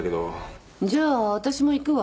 じゃあ私も行くわ。